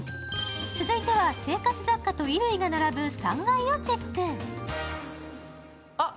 続いては生活雑貨と衣類が並ぶ３階をチェック。